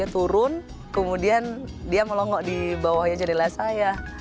turun kemudian dia melonggok di bawah jendela saya